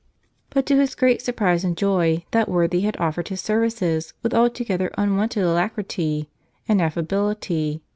But to his great surprise and joy that worthy had offered his services with altogether unwonted alacrity and affability.